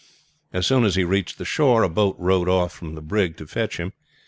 As soon as he reached the shore a boat rowed off from the brig to fetch him.